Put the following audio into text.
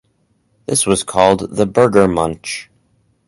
This was called the "Burger Munch".